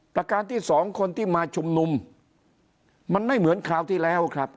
ประการที่สองคนที่มาชุมนุมมันไม่เหมือนคราวที่แล้วครับ